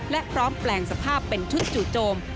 และพร้อมแปลงสภาพเป็นชุดจู่โจม